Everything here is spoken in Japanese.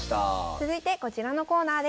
続いてこちらのコーナーです。